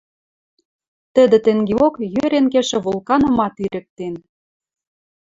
Тӹдӹ тенгеок йӧрен кешӹ вулканымат ирӹктен.